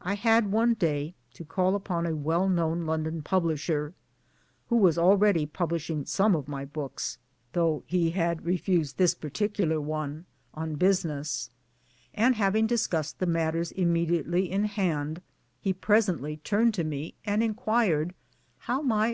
I had, one day, to call upon a well known London publisher (who was already publishing; some of my books, though he had refused this particular 1.9.8 MY DAYS AND DREAMS one) on business, and having discussed the matters immediately in hand, he presently turned to me and inquired how my.